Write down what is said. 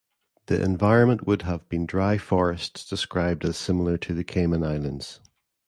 The environment would have been dry forests described as similar to the Cayman Islands.